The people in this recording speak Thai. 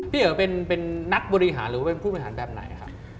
พี่เป็นนักบริหารหรือเป็นผู้บริหารแบบไหน